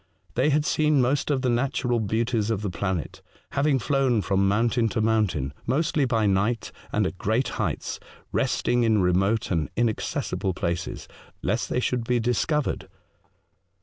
They had seen most of the natural beauties of the planet, having flown from mountain to moun tain, mostly by night and at great heights, resting in remote and inaccessible places, lest they should be discovered.